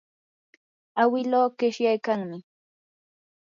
awiluu qishyaykanmi.